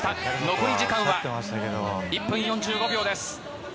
残り時間は１分４５秒です。